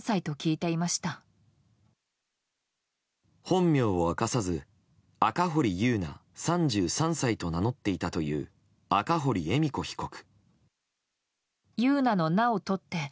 本名を明かさず赤堀ユウナ、３３歳と名乗っていたという赤堀恵美子被告。